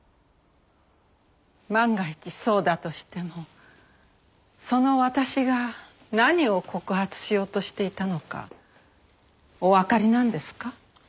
万が一そうだとしてもその「私」が何を告発しようとしていたのかおわかりなんですか？